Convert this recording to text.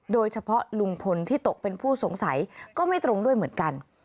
โดยเฉพาะลุงพลที่ตกเป็นผู้สงสัยก็ไม่ตรงด้วยเหมือนกัน